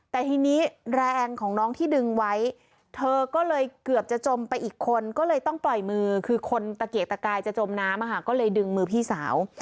แต่ทีนี้แรงของน้องที่ดึงไว้เธอก็เลยเกือบจะจมไปอีกคนก็เลยต้องปล่อยมือคือคนตะเกียกตะกายจะจมน้ำก็เลยดึงมือพี่สาว